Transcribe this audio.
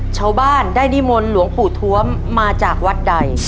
ชาวบ้านได้นิมนต์หลวงปู่ทวมมาจากวัดใด